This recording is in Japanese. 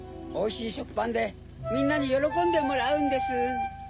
おいしいしょくパンでみんなによろこんでもらうんです。